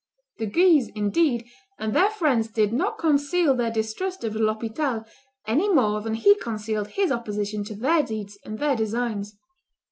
The Guises, indeed, and their friends did not conceal their distrust of De l'Hospital, any more than he concealed his opposition to their deeds and their designs.